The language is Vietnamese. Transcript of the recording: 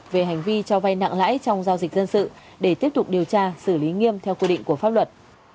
về hành vi cho vay nặng lãi trong giao dịch dân sự để tiếp tục điều tra xử lý nghiêm theo quy định của pháp luật